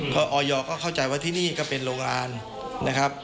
ก็ออยก็เข้าใจว่าที่นี่ก็เป็นโรงงานนะครับ